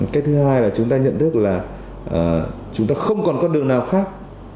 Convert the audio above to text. cái thứ hai là chúng ta nhận thức là chúng ta không còn con đường nào khác